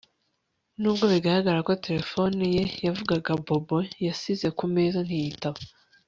Nubwo bigaragara ko terefone ye yavugaga Bobo yasize ku meza ntiyitaba